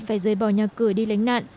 phải rời bỏ nhà cửa đi lãnh nạn